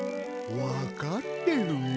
わかってるよ。